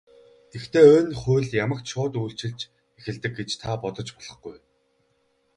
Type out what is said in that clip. Гэхдээ энэ хууль ямагт шууд үйлчилж эхэлдэг гэж та бодож болохгүй.